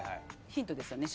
ヒントですよね